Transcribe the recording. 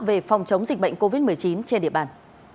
về phòng chống dịch bệnh covid một mươi chín trên địa bàn